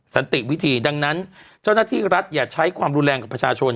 สันติวิธีดังนั้นเจ้าหน้าที่รัฐอย่าใช้ความรุนแรงกับประชาชน